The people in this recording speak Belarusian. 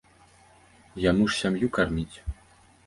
Яму ж сям'ю карміць.